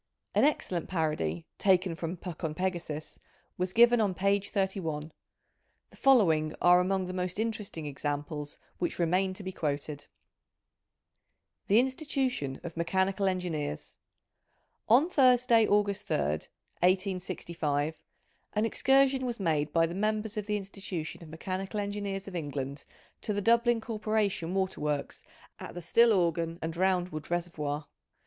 An excellent parody, taken from Puck on Pegasus, was given on page 31 ; the following are among the most interesting examples which re main to be quoted :— The Institution of Mechanical Engineers, On Thursday, August 3rd, 1865, an excursion was made by the Members of the Institution of Mechanical Engineers of England, to the Dublin Corporation "Waterworks at the Stillorgan and Roundwood Reservoir.